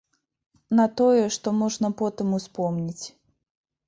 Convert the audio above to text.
На тое, што можна потым успомніць.